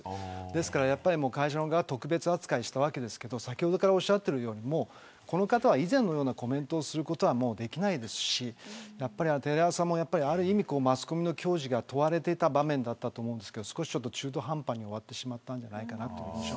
ですから会社が特別扱いしたわけですけど先ほどからおっしゃってるようにこの方は、以前のようなコメントをすることはできないですしやっぱりテレ朝もある意味マスコミの矜持が問われていた場面だったと思いますが少し中途半端に終わっちゃったと思います。